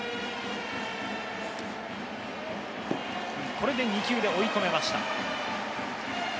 これで２球で追い込みました。